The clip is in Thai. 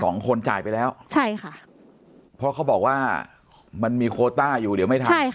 คนจ่ายไปแล้วใช่ค่ะเพราะเขาบอกว่ามันมีโคต้าอยู่เดี๋ยวไม่ทันใช่ค่ะ